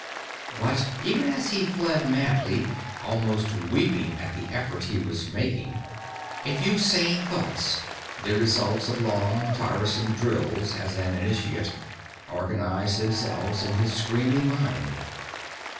But even as he fled madly, almost weeping at the effort he was making, a few sane thoughts the result of long, tiresome drills as an initiate organized themselves in his screaming mind.